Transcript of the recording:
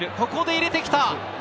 ここで入れてきた！